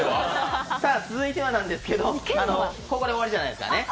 続いてはなんですけど、ここで終わりじゃないですからね。